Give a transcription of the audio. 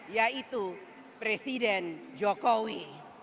yaitu presiden jokowi